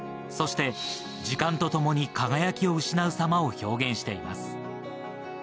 そして時間とともに輝きを失う様を表現しています。